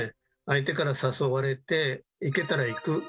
相手から誘われて「行けたら行く」。